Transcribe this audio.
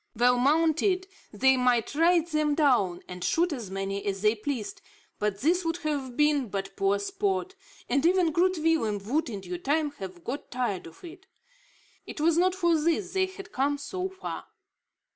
Well mounted, they might ride them down and shoot as many as they pleased, but this would have been but poor sport; and even Groot Willem would, in due time, have got tired of it. It was not for this they had come so far.